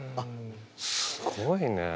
すごいねえ。